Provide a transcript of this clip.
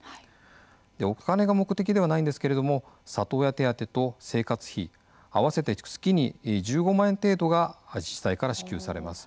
お金が目的ではないんですけれども里親手当と生活費合わせて月に１５万円程度が自治体から支給されます。